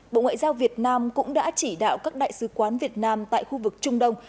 bộ ngoại giao việt nam cũng đã chỉ đạo các đại sứ quán việt nam tại khu vực trung đông